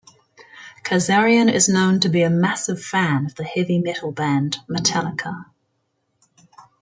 Kazarian is known to be a massive fan of the heavy metal band Metallica.